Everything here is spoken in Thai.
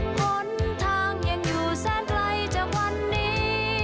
หนทางยังอยู่แสนไกลจากวันนี้